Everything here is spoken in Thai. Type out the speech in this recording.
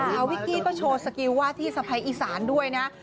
วิกกี้ก็โชว์สกิลว่าที่สะพ้ายอีสานด้วยนะ